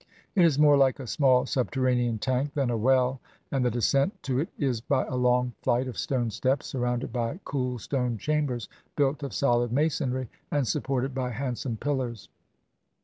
It is more like a small subterranean tank than a well, and the descent to it is by a long ffight of stone steps, surrounded by cool stone chambers built of solid masonry, and supported by handsome pillars.